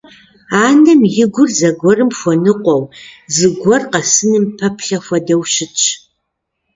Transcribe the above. Анэм и гур зыгуэрым хуэныкъуэу, зыгуэр къэсыным пэплъэ хуэдэу щытщ.